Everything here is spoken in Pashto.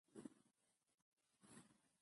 د قانون پلي کول د شفافیت لامل ګرځي.